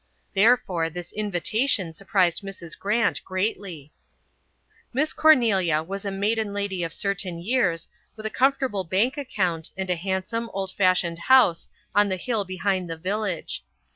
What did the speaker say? Therefore this invitation surprised Mrs. Grant greatly. Miss Cornelia was a maiden lady of certain years, with a comfortable bank account and a handsome, old fashioned house on the hill behind the village.